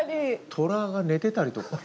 虎が寝てたりとか。